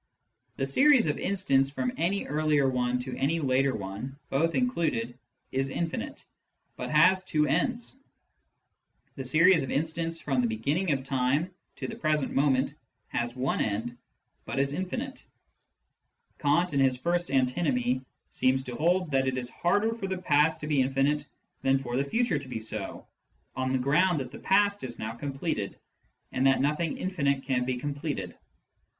The series of instants from any earlier one to any later one (both included) is infinite, but has two ends ; the series of instants from the beginning of time to the present moment has one end, but is infinite. Kant, in his first antinomy, seems to hold that it is harder for the past to be infinite than for the future to be so, on the ground that the past is now completed, and that nothing infinite can be completed.